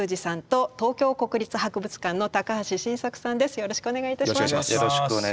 よろしくお願いします。